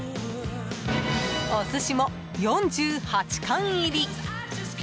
お寿司も、４８貫入り。